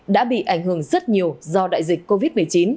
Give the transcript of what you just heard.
đã bị ảnh hưởng rất nhiều do đại dịch covid một mươi chín